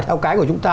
theo cái của chúng ta